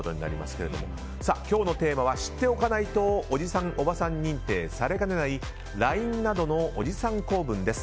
今日のテーマは知らないとおじさん・おばさん認定されかねないＬＩＮＥなどのおじさん構文です。